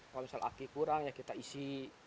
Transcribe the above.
kalau misalnya aki kurang ya kita isi